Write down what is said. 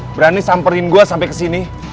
berani samperin gue sampe kesini